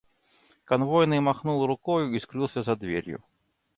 — Конвойный махнул рукою и скрылся за дверью.